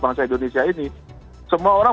bangsa indonesia ini semua orang